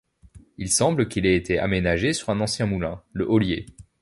Il semble qu'il ait été aménagé sur un ancien moulin, le Hollier.